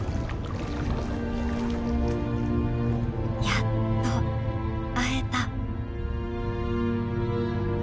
「やっと会えた」。